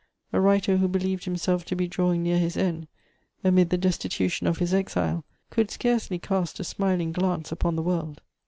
A writer who believed himself to be drawing near his end, amid the destitution of his exile, could scarcely cast a smiling glance upon the world.